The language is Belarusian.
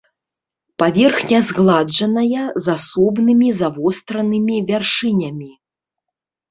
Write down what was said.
Паверхня згладжаная, з асобнымі завостранымі вяршынямі.